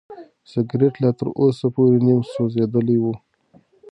سګرټ لا تر اوسه پورې نیم سوځېدلی و.